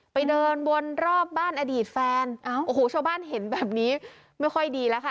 เดินวนรอบบ้านอดีตแฟนโอ้โหชาวบ้านเห็นแบบนี้ไม่ค่อยดีแล้วค่ะ